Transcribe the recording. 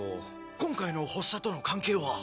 今回の発作との関係は？